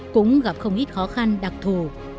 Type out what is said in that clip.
cũng gặp không ít khó khăn đặc thù